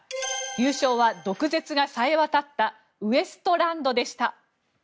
優勝は毒舌が冴え渡ったウエストランドでした。